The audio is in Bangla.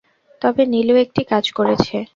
তবে নীলু একটি কাজ করেছে।